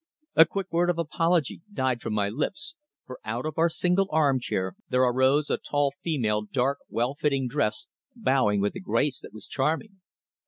A quick word of apology died from my lips, for out of our single armchair there arose a tall female dark, well fitting dress, bowing with a grace that was charming.